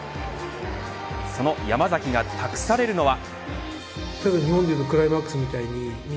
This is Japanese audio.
その山崎が託されるのは。